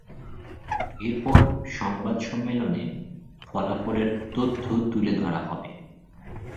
এরপর সংবাদ সম্মেলনে ফলাফলের তথ্য তুলে ধরা হবে।